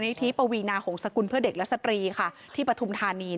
อุลานิทธิปวีนาของสกุลเพื่อเด็กและสตรีที่ปฐุมธานี